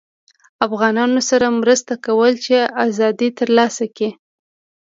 افغانانوسره مرسته کوله چې ازادي ترلاسه کړي